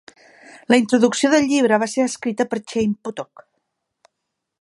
La introducció del llibre va ser escrita per Chaim Potok.